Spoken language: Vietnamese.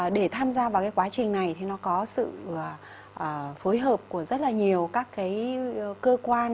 để tham gia vào cái quá trình này thì nó có sự phối hợp của rất là nhiều các cái cơ quan